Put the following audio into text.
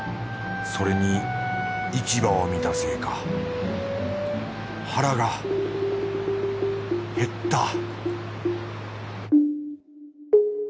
それに市場を見たせいか腹が減った